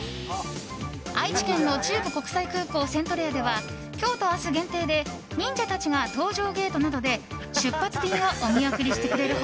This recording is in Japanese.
愛知県の中部国際空港セントレアでは今日と明日限定で忍者たちが搭乗ゲートなどで出発便をお見送りしてくれる他